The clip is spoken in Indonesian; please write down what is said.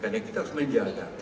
karena kita harus menjaga